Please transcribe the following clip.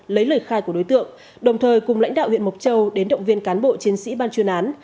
lấy lời khai của đối tượng đồng thời cùng lãnh đạo huyện mộc châu đến động viên cán bộ chiến sĩ ban chuyên án